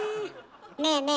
ねえねえ